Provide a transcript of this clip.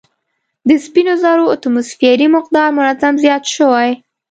د سپینو زرو اتوموسفیري مقدار منظم زیات شوی